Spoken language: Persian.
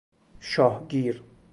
شاه گیر